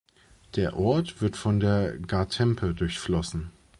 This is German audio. Der Ort wird von der Gartempe durchflossen.